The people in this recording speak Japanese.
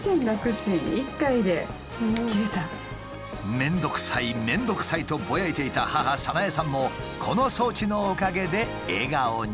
「面倒くさい面倒くさい」とボヤいていた母・早苗さんもこの装置のおかげで笑顔に。